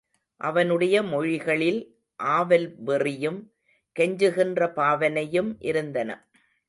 அவனுடைய மொழிகளில் ஆவல் வெறியும் கெஞ்சுகின்ற பாவனையும் இருந்தன.